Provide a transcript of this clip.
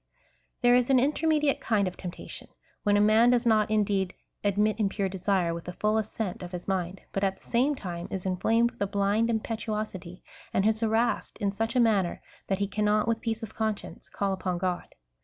There is an intermediate kind of temptation^ — when a man does not indeed admit impure desire with the full assent of his mind, but at the same time is inflamed with a blind im petuosity, and is harassed in such a manner that he cannot with i^eace of conscience call upon God.